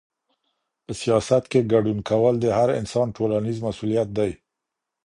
په سياست کي ګډون کول د هر انسان ټولنيز مسؤوليت دی.